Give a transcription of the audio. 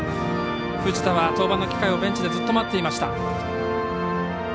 藤田は登板の機会をベンチでずっと待っていました。